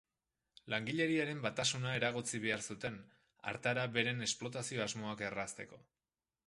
Langileriaren batasuna eragotzi behar zuten, hartara beren esplotazio-asmoak errazteko.